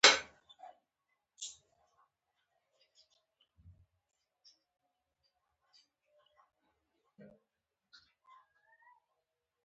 د پښتو ژبې ادبیاتو تاریخ